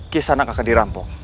kisanak akan dirampok